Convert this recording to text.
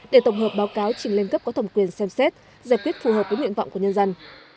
để tổng hợp báo cáo trình lên cấp có thẩm quyền xem xét giải quyết phù hợp với nguyện vọng của nhân dân